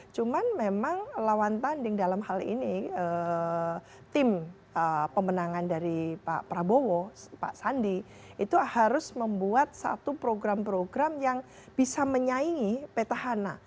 cuman memang lawan tanding dalam hal ini tim pemenangan dari pak prabowo pak sandi itu harus membuat satu program program yang bisa menyaingi petahana